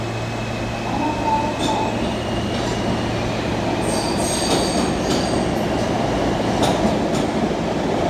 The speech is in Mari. Аракалогар!